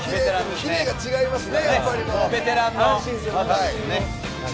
キレが違いますね。